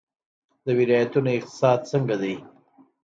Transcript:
د ولایتونو اقتصاد څنګه دی؟